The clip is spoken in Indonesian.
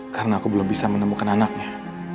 karena aku belum bisa menemukan anaknya